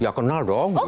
ya kenal dong